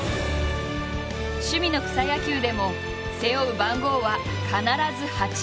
趣味の草野球でも背負う番号は必ず「８」。